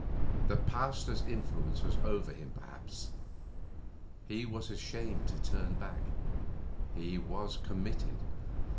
The Pasteur's influence was over him perhaps. He was ashamed to turn back. He was committed.